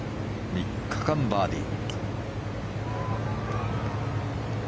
３日間バーディー。